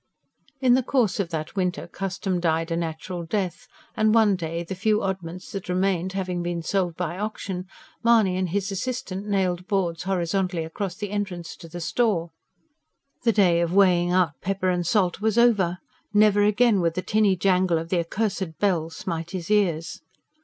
In the course of that winter, custom died a natural death; and one day, the few oddments that remained having been sold by auction, Mahony and his assistant nailed boards horizontally across the entrance to the store. The day of weighing out pepper and salt was over; never again would the tinny jangle of the accursed bell smite his ears.